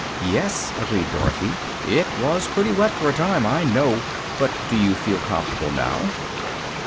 "Yes," agreed Dorothy, "it was pretty wet, for a time, I know. But do you feel comfor'ble now?"